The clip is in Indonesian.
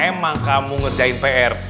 emang kamu ngerjain pr